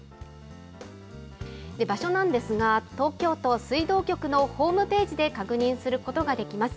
場所なんですが、東京都水道局のホームページで確認することができます。